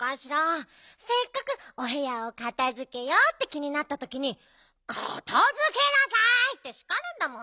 せっかくおへやをかたづけようって気になったときに「かたづけなさい！」ってしかるんだもん。